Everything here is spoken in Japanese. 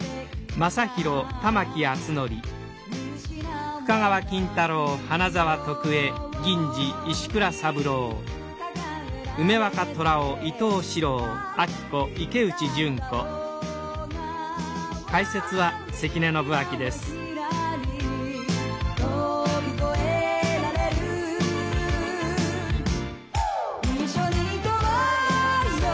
「今はひらり」「飛び越えられる」「一緒に行こうよ」